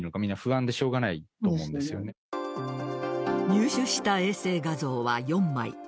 入手した衛星画像は４枚。